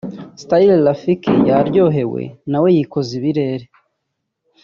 StyleRafiki yaryohewe nawe yikoza ibirere